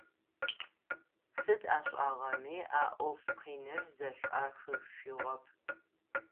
Сыд ашӀагъэми а Ӏоф къиныр зэшӀуахышъугъэп.